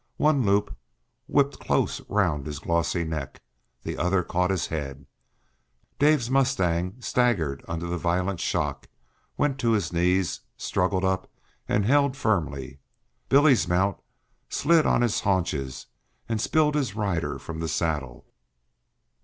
One loop whipped close round his glossy neck; the other caught his head. Dave's mustang staggered under the violent shock, went to his knees, struggled up and held firmly. Bill's mount slid on his haunches and spilled his rider from the saddle.